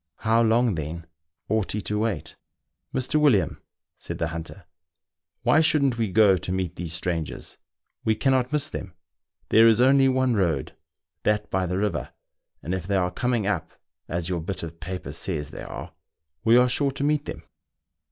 How long, then, ought he to wait ?" Mr. William," said the hunter, " why shouldn't we go to meet these strangers .' We cannot miss them ; there is only one road, that by the river, and if they are coming up, as your bit of paper says they are, we are sure to meet them."